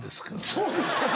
そうですよね。